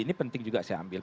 ini penting juga saya ambil